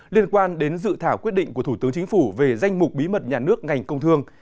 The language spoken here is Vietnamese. liên quan đến dự thảo quyết định của thủ tướng chính phủ về danh mục bí mật nhà nước ngành công thương